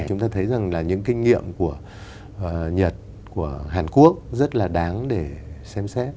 chúng ta thấy rằng là những kinh nghiệm của nhật của hàn quốc rất là đáng để xem xét